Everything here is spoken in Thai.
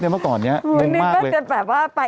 เมื่อก่อนเนี่ยม่วงมากเลยเหมือนก็จะแบบว่าไปตั้ง